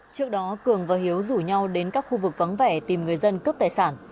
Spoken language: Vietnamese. trước đó cường và hiếu rủ nhau đến các khu vực vắng vẻ tìm người dân cướp tài sản